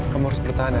kamu harus bertahan ya